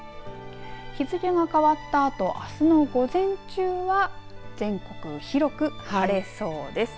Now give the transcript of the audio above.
日付が変わったあとあすの午前中は全国広く晴れそうです。